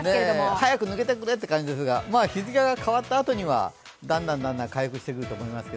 早く抜けてくれという感じですが、日付が変わったあとにはだんだん回復してくると思います。